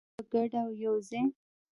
په ګډه او یوځای.